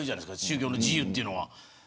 宗教の自由というのは。